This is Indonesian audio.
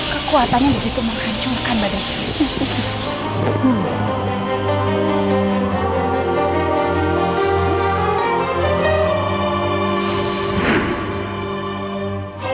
kekuatan yang begitu menghancurkan badai